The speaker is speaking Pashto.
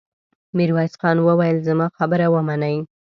ميرويس خان وويل: زما خبره ومنئ!